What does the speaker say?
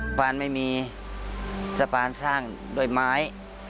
ปานไม่มีสะพานสร้างด้วยไม้